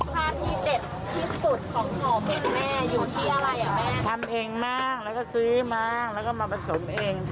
แล้วก็อย่างนี้ก็อย่างนี้ก็ถึง